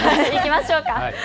いきましょうか。